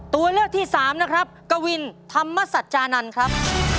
ตัวเลือกที่สามนะครับกวินธรรมสัจจานันทร์ครับ